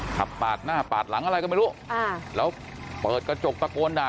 ขับปาดหน้าปาดหลังอะไรก็ไม่รู้แล้วเปิดกระจกตะโกนด่า